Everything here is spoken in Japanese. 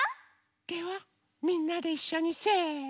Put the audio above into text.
ではみんなでいっしょにせの。